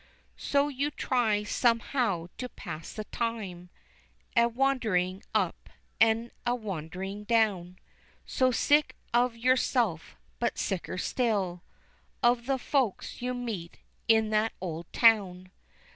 So you try somehow to pass the time, A wanderin' up, and a wanderin' down, So sick of yourself, but sicker still Of the folks you meet, in that old town.